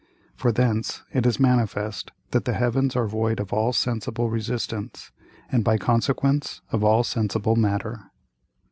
For thence it is manifest, that the Heavens are void of all sensible Resistance, and by consequence of all sensible Matter.